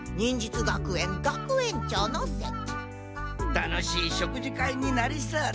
楽しい食事会になりそうだ。